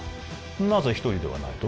なぜ１人ではないと？